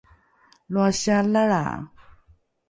loa sialalra!